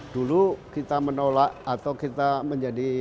dulu kita menolak atau kita menjadi